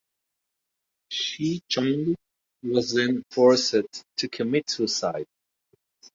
Shi Chong was then forced to commit suicide.